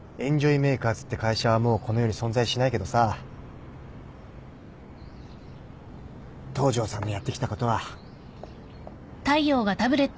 メーカーズって会社はもうこの世に存在しないけどさ東城さんのやってきたことは。